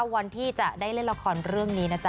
วันที่จะได้เล่นละครเรื่องนี้นะจ๊